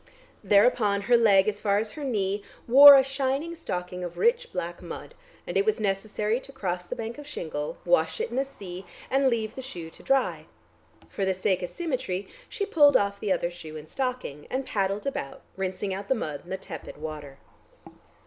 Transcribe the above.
Thereupon her leg, as far as her knee, wore a shining stocking of rich black mud, and it was necessary to cross the bank of shingle, wash it in the sea, and leave the shoe to dry. For the sake of symmetry she pulled off the other shoe and stocking, and paddled about, rinsing out the mud in the tepid water.